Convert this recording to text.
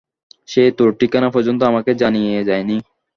সে তার ঠিকানা পর্যন্ত আমাকে জানিয়ে যায়নি।